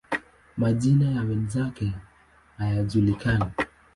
Majina ya wenzake hayajulikani.